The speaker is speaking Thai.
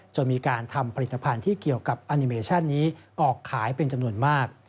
จนมีการทำผลิตภัณฑ์ที่เกี่ยวกับอนิเมชั่นนี้ออกขายเป็นจำนวนมาก